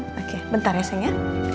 oke bentar ya seng ya